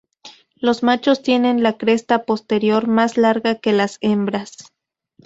Los machos tienen la cresta posterior más larga que las hembras.